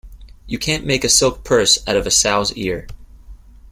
You can't make a silk purse out of a sow's ear.